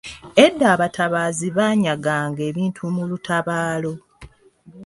Edda abatabaazi banyaganga ebintu mu lutabaalo.